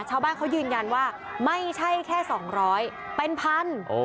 ชาวบ้านเขายืนยันว่าไม่ใช่แค่สองร้อยเป็นพัน